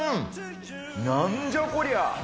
なんじゃこりゃ。